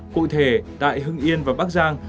cụ thể tại hưng yên và bắc giang